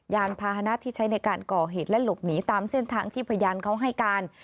ยานพาหนะที่ใช้ในการก่อเหตุและหลบหนีตามเส้นทางที่พยานเขาให้การ